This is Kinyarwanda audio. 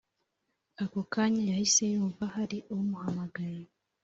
ako kanya yahise yumva hari umuhamagaye